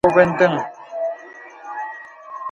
Bɔ̄ nə bɔ̄ à kɔ̄ɔ̄ bə̀ ndəŋ.